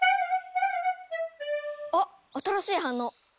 あっ新しい反応。